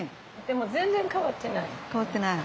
でも全然変わってない。